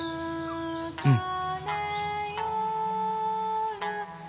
うん。